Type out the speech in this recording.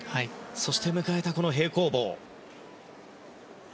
そして迎えた、この平行棒。